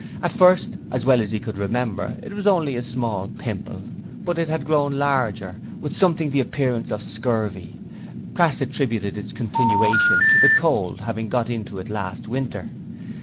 At first as well as he could remember it was only a small pimple, but it had grown larger, with something the appearance of scurvy. Crass attributed its continuation to the cold having 'got into it last winter'.